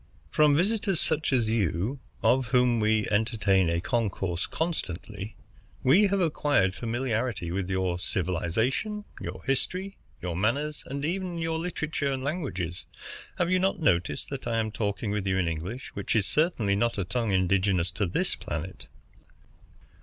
"From visitors such as you, of whom we entertain a concourse constantly, we have acquired familiarity with your civilization, your history, your manners, and even your literature and languages. Have you not noticed that I am talking with you in English, which is certainly not a tongue indigenous to this planet?"